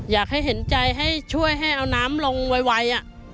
อยากให้เห็นใจให้ช่วยให้เอาน้ำลงไว